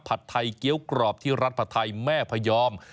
ไทยเกี้ยวกรอบที่รัฐผัดไทยแม่พยอม